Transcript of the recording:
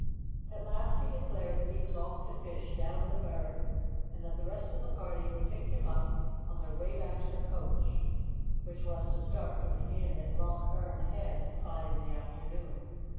At last he declared that he was off to fish down the burn, and that the rest of the party would pick him up on their way back to the coach, which was to start from the inn at Loch Earn Head at five in the afternoon.